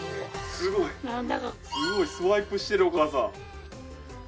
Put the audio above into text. すごいスワイプしてるお母さん。